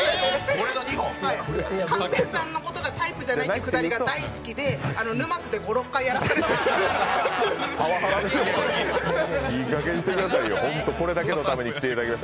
寛平さんのことがタイプじゃないってくだりが大好きで沼津で５６回やらせていただきました。